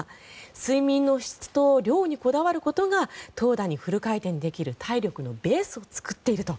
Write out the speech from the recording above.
睡眠の質と量にこだわることが投打にフル回転できる体力のベースを作っていると。